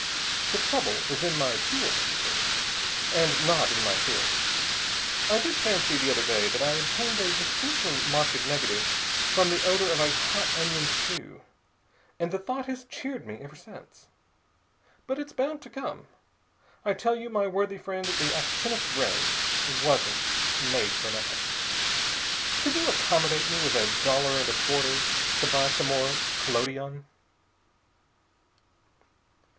The trouble is in my tools, you see, and not in my theory. I did fancy the other day that I obtained a distinctly marked negative from the odor of a hot onion stew, and the thought has cheered me ever since. But it's bound to come. I tell you, my worthy friend, the actinic ray wasn't made for nothing. Could you accommodate me with a dollar and a quarter to buy some more collodion?"